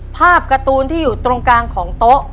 ภาพการ์ตูนที่อยู่ตรงกลางของโต๊ะ